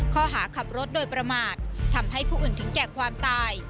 ข้อหาขับรถโดยประมาททำให้ผู้อื่นถึงแก่ความตาย